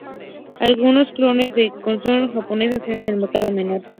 Algunos clones de consolas japonesas eran del mercado menor.